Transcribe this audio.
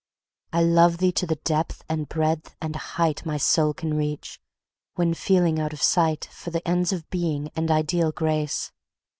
I love thee to the depth and breadth and height My soul can reach, when feeling out of sight For the ends of Being and ideal Grace.